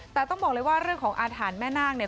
แต่ต้องบอกเลยว่าเรื่องของอาถรรพ์แม่นาคเนี่ย